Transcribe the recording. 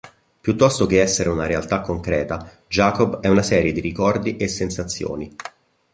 Piuttosto che essere una realtà concreta, Jacob è una serie di ricordi e sensazioni.